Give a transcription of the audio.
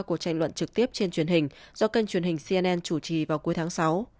cuộc tranh luận trực tiếp trên truyền hình do kênh truyền hình cnn chủ trì vào cuối tháng sáu